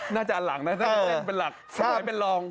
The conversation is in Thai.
น่าจะอันหลังนะน่าจะเป็นหลักสมัยเป็นรอง